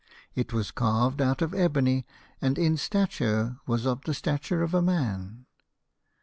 It was carved out of ebony, and in stature was of the stature of a man.